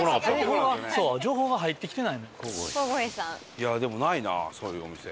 いやでもないなそういうお店。